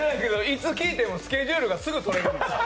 いつ聞いても、スケジュールが空いてる。